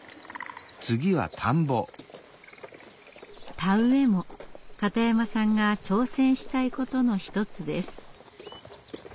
田植えも片山さんが挑戦したいことの一つです。